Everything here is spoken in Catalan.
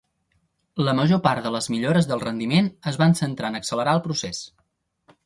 La major part de les millores del rendiment es van centrar en accelerar el procés.